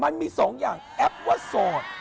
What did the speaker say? มันมีสองอย่างแอปว่าโสด